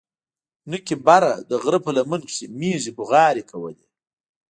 نوکي بره د غره په لمن کښې مېږې بوغارې کولې.